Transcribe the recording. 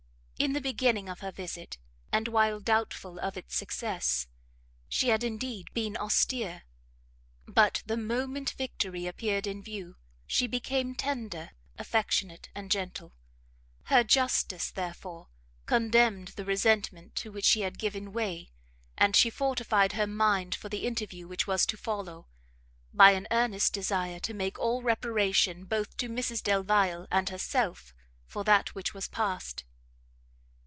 In the beginning of her visit, and while doubtful of its success, she had indeed, been austere, but the moment victory appeared in view, she became tender, affectionate and gentle. Her justice, therefore, condemned the resentment to which she had given way, and she fortified her mind for the interview which was to follow, by an earnest desire to make all reparation both to Mrs Delvile and herself for that which was past.